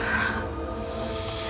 aku butuh darah segar